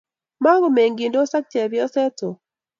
magomengindos ago chepyoset Tom